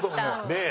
ねえ！